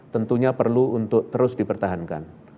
tentunya perlu untuk terus dipertahankan